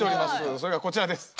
それがこちらです。